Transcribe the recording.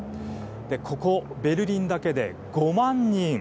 ここベルリンだけで、５万人。